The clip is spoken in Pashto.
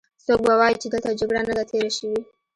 څوک به وايې چې دلته جګړه نه ده تېره شوې.